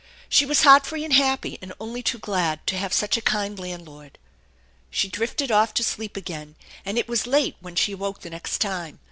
She was heart free and happy, and only too glad tc have such a kind landlord. She drifted off to sleep again, and it was late when she awoke the next time.